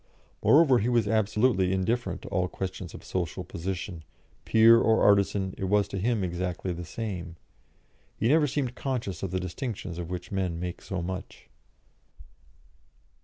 Moreover, he was absolutely indifferent to all questions of social position; peer or artisan, it was to him exactly the same; he never seemed conscious of the distinctions of which men make so much.